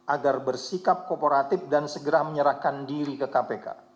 agar bersikap kooperatif dan segera menyerahkan diri ke kpk